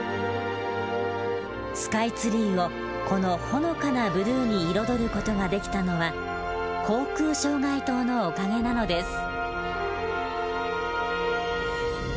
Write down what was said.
スカイツリーをこのほのかなブルーに彩る事ができたのは航空障害灯のおかげなのです。